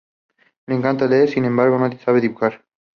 Le encanta leer, sin embargo, no sabe dibujar.